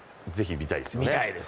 見たいですね。